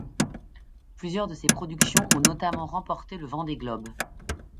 Plusieurs de ses productions ont notamment remporté le Vendée Globe.